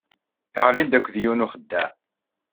Ɣlin-d akked yiwen n uxeddaɛ.